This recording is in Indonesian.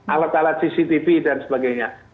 alat alat cctv dan sebagainya